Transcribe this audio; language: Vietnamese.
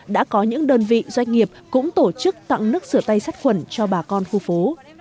đã có những đơn vị doanh nghiệp cũng tổ chức tặng nước sửa tay sát khuẩn cho bà con khu phố